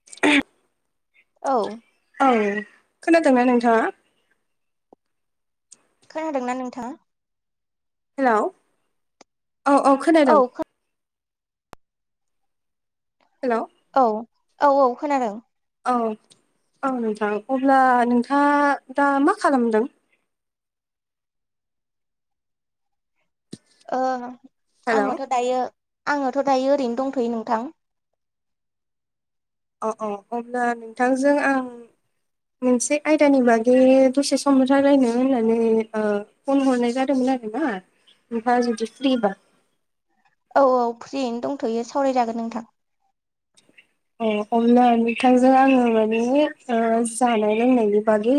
[inaudible] औ। ओं खोनादोंना नोंथांङा। खोनादों ना नोंथांङा। हेलौ औ औ खोनादों। हेलौ। औ औ औ खोनादों। औ औ नोंथां अब्ला नोंथाङा दा मा खालामदों। ओ हेलौ आंङोथ' दायो आंङोथ' दायो ओरैनो दंथ'यो नोंथां। अ अ अब्ला नोंथांजों आं। मोनसे आयदानि बागै दसे सम रायलायनो होननानै। फन हरनाय जादोंमोन आरोना नोंथांआ जुदि फ्रिबा। औ औ फ्रियैनो दंथ'यो सावरायजागोन नोंथां। अ अब्ला नोंथांजों आंङो माने जानाय लोंनायनि बागै।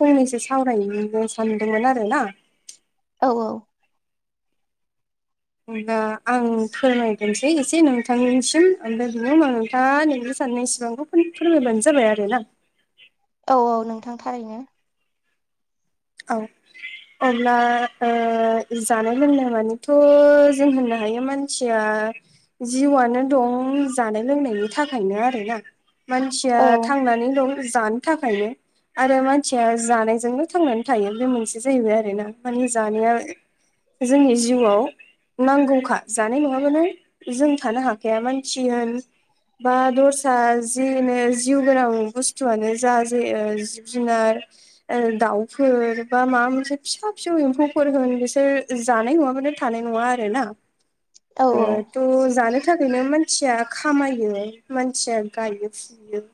फंनैसो सावरायनो सानदोंमोन आरो ना। औ औ। होमबा आं फोरमायगोरनोसै एसे नोंथांनिसिम ओमफ्राय बेनि उनाव नोंथाङा नोंनि साननाय सिबांखौ। एसे फोरमायबानो जाबाय आरो ना। औ औ नोंथां थारैनो। औ। अब्ला ओ जानाय लोंनाय मानिथ' जों होननो हायो मानसिया। जिवयानो होन जानाय लोंनायनि थाखायनो आरोना। मानसिया औ थांनानै दं। जानो थाखायनो आरो मानसिया जानायजोंनो थांनानै। थायो बे मोनसे जाहैबाय आरोना माने जानाया जोंनि जिउआव। नांगौखा जानाय नङाबानो जों थानो हाखाया मानसि होन। बा दस्रा जिनो जिउ गोनां बुस्थुआनो जा जे जिब जुनार। दाउ। फोर बा माबा मोनसे फिसा फिसौ एम्फौफोर होन बिसोर जानाय नङाबानो थानाय नङा आरो ना। औ ओ। थ' जानो थाखायनो मानसिया खामायो मानसिया गायो फुयो।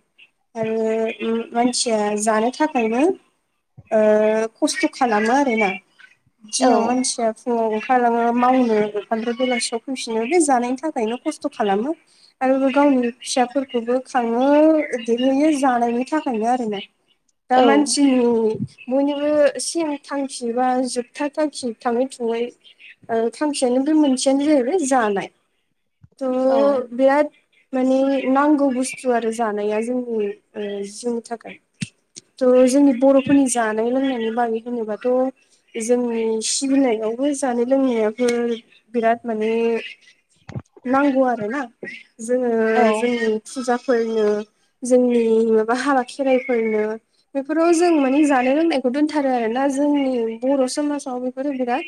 आरो मानसिया जानो थाखायनो। खस्थ' खालामो आरोना औ दिनाव मानसिया। फुंङाव ओंखारलांङो मावनो ओमफ्राय बेलासियाव फैफिनो बे जानायनि थाखायनो खस्थ' खालामो। आरो गावनि फिसाफोरखौबो खांङो जानायनि थाखायनो आरो ना। दा औ मानसिनि। बयनिबो सेम थांखि बा जोबथा थांखि थांङै थुङै। थांखियानो बे मोनसेयानो जाहैबाय जानाय औ थ' बिराद। माने नांगौ बुस्थु आरो जानाया जोंनि जिउनि थाखाय। थ' जोंनि बर'फोरनि जानाय लोंनायनि बागै होनोबाथ'। जोंनि सिबिनायावबो जानाय लोंनायाबो बिराद माने। नांगौ आरोना जोंङो औ जोंनि फुजाफोरनो जोंनि माबा हाबा खेराइफोरनो बेफोराव जों माने जा लोंनायखौ दोनथारो आरोना जोंनि बर' समाजाव बेफोरो बिराद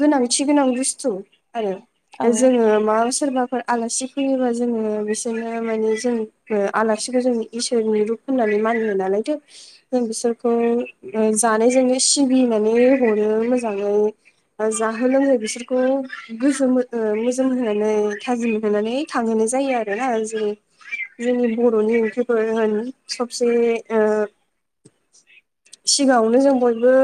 गोनांथि गोनां बुस्थु आरो औ जोङो मा सोरबाफोर आलासि फैयोबा जोङो बिसोरनो माने जों आलासिखौ जों इसोरनि रुप होननानै मानियो नालायथो जों बिसोर खौ जानायजोंनो सिबिनानै हरो मोजाङै जाहो लोंहो बिसोरखौ गोसो मोजोम होनानै थाजि मोनहोनानै। थांहोनो जायो आरो ना जे जोंनि बर'नि ओंख्रिफोर होन सबसे ओ सिगाङावनो जों बयबो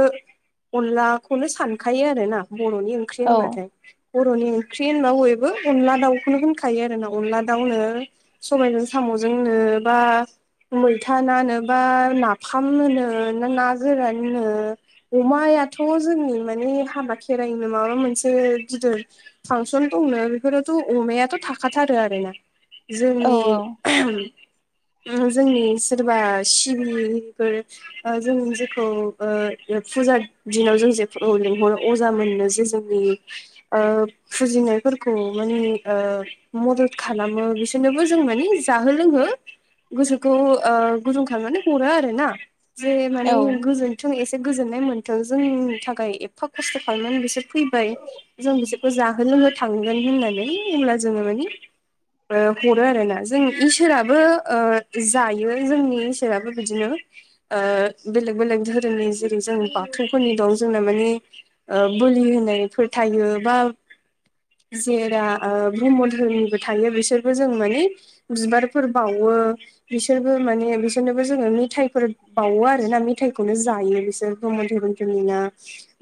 अनलाखौनो सानखायो आरोना बर'नि ओंख्रि होनबाथाय। बर'नि ओंख्रि होनना बयबो अनदला दाउखौनो होनखायो आरो ना अनला दाउनो सबायजों साम'जोंनो बा मैथा नानो बा नाफाम होनो नों ना नागोरान नो। अमायाथ' जोंनि माने हाबा खेराइनो माबा मोनसे गिदिर फांसन दंनो बेफोरावथ' अमायाथ' थाखाथारो आरोना। औ जोंनि जोंनि सोरबा सिबिफोर ओ जों जेखौ ओ फुजा दिनाव जों जे लिंहरो अजा मोनो जे जों ओ फुजिनायफोरखौ माने ओ मदद खालामो। बिसोरनोबो जों माने जाहो लोंहो गोसोखौ ओ गुदुं खालामनानै हरो आरो ना। जे माने गोजोनथों एसे गोजोननाय मोनथों जोंनि थाखाय एफा खस्थ' खालामनानै बिसोर फैबाय जों बिसोरखौ जाहो लोंहो थांगोन होननानै अब्ला जोङो मानि हरो आरोना जों इसोराबो ओ जायो। जोंनि इसोराबो बिदिनो ओ बेलेग- बेलेक धोरोमनि जेरै जों बाथौफोरनि दं जोंना माने बोलि होनायफोर थायो बा जेराव ओ ब्रह्म धोरोमनिबो थायो बिसोरबो जों मानि बिबारफोर बावो बिसोरबो माने बिसोरनोबो जोङो मेथाइफोर बावो आरो ना मेथायाइखौनो जायो बिसोर ब्रहम धोरोमधनि ना।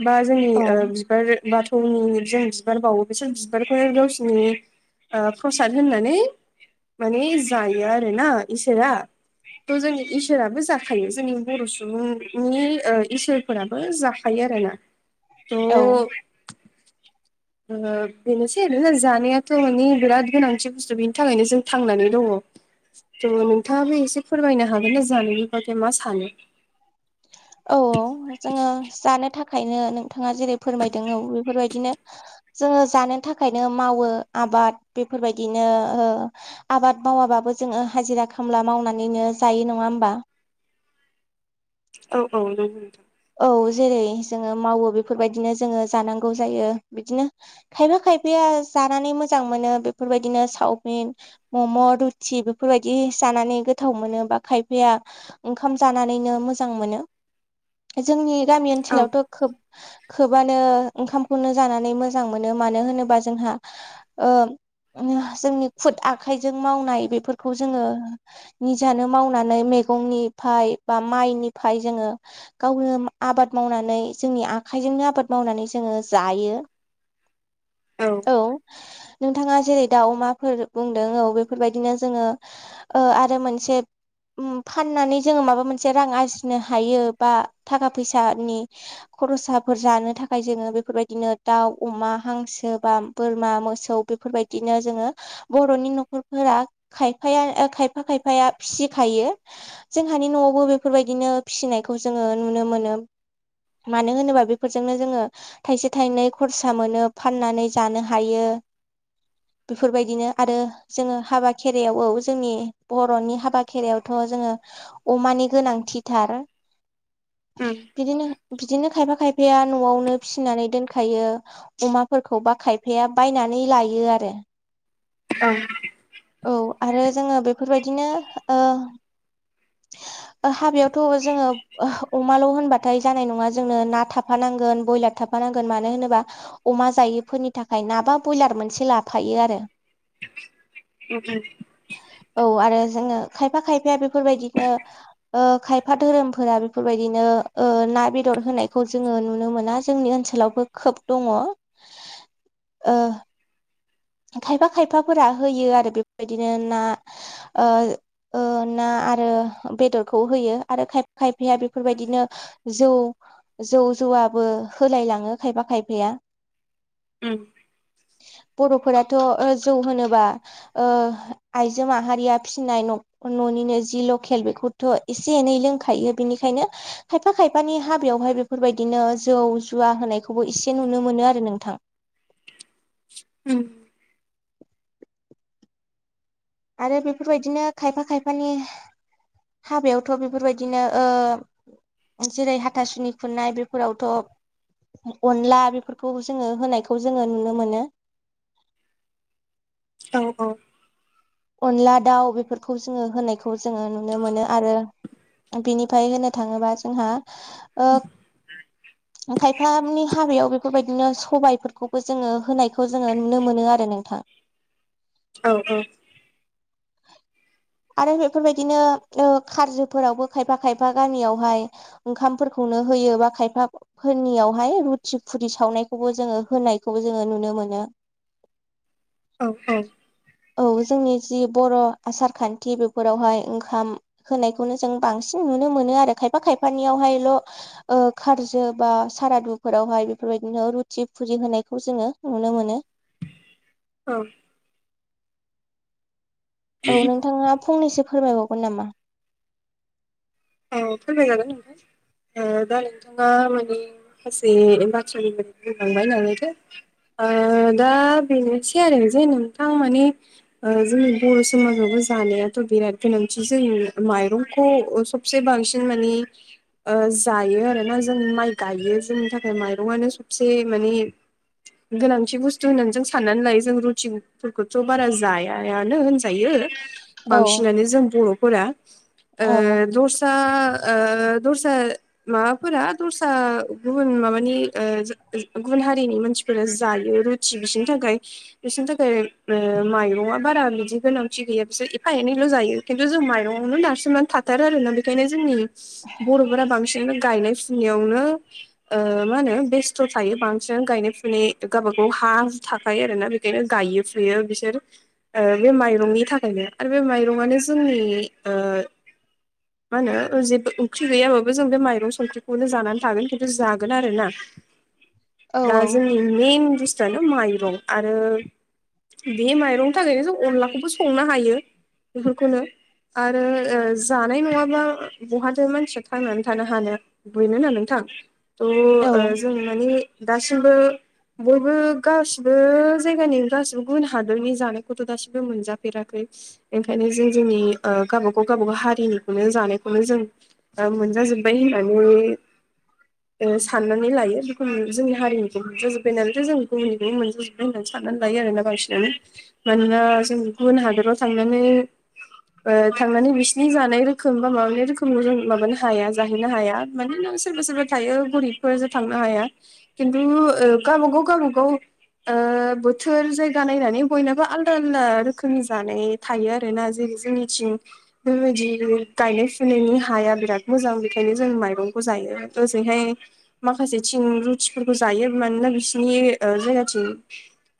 बा जोंनि औ ओ बिबार बाथौनि जों बिबार बावो बिसोर बिबारखौनो गावसिनि ओ प्रसाद होननानै माने जायो आरोना। इसोरा थ' जों इसोराबो जाख थायो जोंनि बर' सुबुंनि इसोरफोराबो जाखायो आरोना। औ थ' ओ बेनोसै आरोना जानायाथ' मानि बिराद गोनांथि बुस्थु बेनि थाखायनो जों थांनानै दङ ' नोंथाङाबो एसे फोरमायनो हागोन ना जानायनिबादथाय मा सानो। औ औ जोङो जानो थाखायनो नोंथाङा जेरै फोरमायदों औ बेफोरबायदिनो जोङो जानो थाखायनो मावो आबाद बेफोरबायदिनो ओ आबाद मावाबाबो जोङो हाजिरा खामला मावनानैनो जायो नङा होमबा। औ औ नंगौ। औ जेरै जोङो मावो बेफोरबायदिनो जोङो जानांगौ जायो बिदिनो खायफा खायफाया जानानै मोजां मोनो बेफोरबायदिनो सावमिन मम' रुटि बेफोरबायदि जानानै गोथाव मोनो बा खायफाया ओंखाम जानानैनो मोजां मोनो जोंनि गामि नोंथां ओनसोलावथ' खोब खोबानो ओंखामखौनो जानानै मोजां मोनो मानो होनोबा जोंहा ओ जोंनि खुद आखाइजों मावनाय बेफोरखौ जोङो निजानो मावनानै मैगंनिफाय बा माइनिफाय जोङो गावनो आबाद मावनानै जोंनि आखाइजोंनो आबाद मावनानै जोङो जायो। औ नोंथाङा जेरै दाउ अमाफोर बुंदों औ बेफोरबायदिनो जोङो ओ आरो मोनसे उम फाननानै जोङो माबा मोनसे रां आरजिनो हायो। बा थाखा फैसानि खरसाफोर जानो थाखाय जोङो बेफोरबायदिनो दाउ अमा हांसो बा बोरमा मोसौ बेफोरबायदिनो जोङो बर'नि न'खरफोरा खायफाया खायफा खायफाया फिसिखायो जोंहानि न'आवबो बेफोरबायदिनो फिसिनायखौ जोङो नुनो मोनो। मानो होनोबा बेफोरजोंनो जोङो थाइसे थाइनै खरसा मोनो फाननानै जानो हायो। [inaudible] बेफोरबायदिनो आरो जोङो हाबा खेराइायाव औ जोंनि बर'नि हाबा खेरायावथ' जोङो अमानि गोनांथिथार उम बिदिनो बिदिनो खायफा खायफाया न'आवनो फिसिनानै दोनखायो अमाफोरखौ बा खायफाया बायनानै लायो आरो। औ। औ आरो जोङो बेफोरबायदिनो ओ ओ हाबायावथ' जोङो अमाल' होनबाथाय जानाय नङा जोंनो ना थाफानांगोन बयलार थाफानांगोन, मानो होनोब्ला अमा जायैफोरनि थाखाय नाबा बयलार मोनसे लाफायो आरो। [unintelligible] औ आरो जोङो खायफा खायफाया बेफोरबायदिनो ओ खायफा धोरोम फोरा बेफोरबायदिनो ओ ना बेदर होनायखौ जोङो नुनो मोना जोंनि ओनसोलावबो खोब दङ। [inaudible] ओ खायफा खायफाफोरा होयो आरो बेफोरबायदिनो ना ओ ओ ना आरो बेदरखौ होयो आरो खायफाया बेफोरबायदिनो जौ जौ जौवाबो होलायलाङो खायफा खायफाया उम। फोराथ' जौ होनोबा आइजो माहारिया फिसिनाय न' न'निनो जि लकेल बेखौथ' एसे एनै लोंखायो। बेनिखायनो खायफा खायफानि हाबायावहाय बेफोरबायदिनो जौ जुवा होनायखौबो एसे नुनो मोनो आरो नोंथां। ओम। आरो बेफोरबायदिनो खायफा खायफानि हाबायावथ' बेफोरबायदिनो ओ जेरै हाथासुनि खुरनाय बेफोरावथ' अनला बेफोरखौ जोङो होनायखौ जोङो नुनो मोनो। औ औ। अनला दाउ बेफोरखौ जोङो होनायखौ जोङो नुनो मोनो आरो बिनिफ्राय होनो थाङोबा जोंहा ओ खायफानि हाबायाव बेफोरबायदिनो सबायफोरखौबो जोङो होनायखौ जोङो नुनो मोनो आरो नोंथां औ औ आरो बेफोरबायदिनो ओ खारजफोरावबो खायफा खायफा गामियावहाय ओंखामफोरखौनो होयो बा खायफा फोरनियावहाय रुथि फुरि सावनायखौबो जोङो होनायखौबो जोङो नुनो मोनो। औ औ। औ जोंनि जि बर' आसार खान्थि बेफोरावहाय ओंखाम होनायखौनो जों बांसिन नुनो मोनो आरो। खायफा खायफानियावहायल' ओ खारज बा सारादुफोरावहाय बेफोरबायदिनो रुथि फुज होनायखौ जोङो नुनो मोनो औ औ नोंथाङा फंनैसो फोरमायबावगोन नामा? औ फोरमायजागोन नोंथां ओ दा नोंथाङा माने माखासे बाथ्रानि बै बुंलांबाय नालाय थो ओ दा बेनोसै आरो जे नोंथां माने ओ जोंनि बर समाजावबो जानायाथ बिराद गोनांथि जों माइरंखौ सब से बांसिन मानि ओ जायो आरोना जों माइ गायो जोंनि थाखाय माइरङानो सबसे माने गोनांथि बुस्थु होननानै जों साननानै लायो जों रुटिफोरखौथ बारा जायायानो होन जायो औ बांसिनानो जों बर फोरा औ ओ दस ओ दस्रा माबाफोरा दस्रा गुबुन माबानि ओ गुबुन हारिनि मानसिफो रा जायो रुटि बिसोरनि थाखाय बिसोरनि थाखाय ओ माइरंआ बारा बिदि गोनांथि गैया बिसोर एफा एनैल जायो खिन्थु जों माइरंआवनो नारसिननानै थाथारो आरोना बेखायनो जोंनि बर फोरा बांसिन गायनाय यावनो ओ मा होनो बेस्थ थायो बांसिन गायनाय फुनाय गावबागाव हा हु थाखायो आरोना बे बेखायनो गायो फुयो बिसोर ओ बे माइरंनि थाखायनो आरो बे माइरंआनो जोंनि ओ मा होनो जेबो ओंख्रि गैयाबाबो जों बे माइरं संख्रिखौनो जानानै थागोन खिन्थु जागोन आरो ना औ दा जोंनि मेइन बुस्थुवानो माइरं आरो बे माइरंनि थाखायनो जों अनलाखौबो संनो हायो बेफोरखौनो आरो जानाय नङा बा बहाथो मानसिया थांनानै थानो हानो बेनो ना नोंथां थ जों माने दासिमबो बयबो गासिबो जायगानि गासिबो गुबुन हादोरनि जानायखौथ दासिबो मोनजाफेराखै ओंखायनो जों जोंनि आं गावबागाव गावबागाव हारिनि नो जानायखौनो जों मोनजाजोब्बाय होननानै ओ साननानै लायो बेखौ जोंनि हारिनिखौ मोनजाजोब्बाय नालायथ' जों गुबुनिनिखौबो मोनजाजोब्बाय होननानै साननानै लायो आरोना बांसिनानो मानोना जों गुबुन हादराव थांनानै ओ थांनानै बिसिनि जानाय खोम बा माबानि रोखोम माबानो हाया जाहैनो हाया मानोना नों सोरबा सोरबा थायो गरिब फोरजों थांनो हाया खिन्थु गावबा गाव गावबा गाव ओ बोथोर जायगा नायनानै बयनाबो आलदा आलदा रोखोम जानाय थायो आरोना जेरै जोंनिथिं बेबायदि गायनाय फुनायनि हाया बिराद मोजां बेखायनो जों माइरंखौ जायो ओजोंहाय माखासेथिं रुटिफोरखौ जायो मानोना बिसिनि ओ जायगाथिं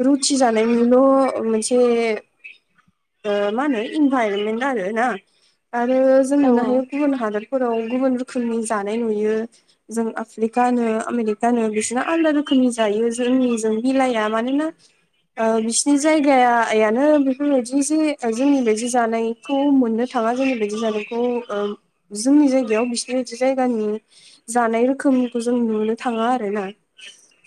रुटि जानायनिल मोनसे ऐ मा होनो इनभाइरनमेन्ट आरो ना आरो जों औ नुनो हायो गुबुन हादोरफोराव गुबुन रोखोमनि जानाय नुयो जों आफ्रिकानो आमेरिकानो बिसोरना आलदा रोखोमनि जायो जोंनिजों मिलाया मानोना ओ बिसिनि जायगायानो बेफोरबायदि जे जोंनि बादि जानाय खौ मोननो थाङा जोंनि बायदि जानायखौ जोंनि जायगायाव बिसिनि बायदि जायगानि जानाय रोखोमखौ जों नुनो थाङा आरो ना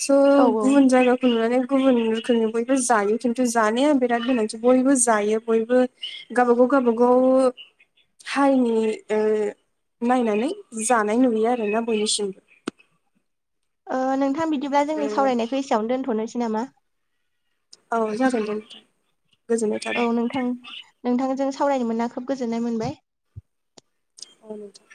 स' औ गुबुन जायगा नुनानै गुबुन रोखोमनि बयबो जायो खिन्थु जानाया बिराद गोनांथि बयबो जायो बयबो गावबागाव गावबागाव हारिनि ओ नायनानै जानाय नुयो आरोना बयनिसिमबो ओ नोंथां बिदिब्ला ओ जोंनि सावरायनायखौ एसेयावनो दोनथ नोसै नामा? औ जागोन दे गोजोननाय औ थाबाय नोंथां नोंथांजों सावरायनो मोनना खोब गोजोननाय मोनबाय ओं दे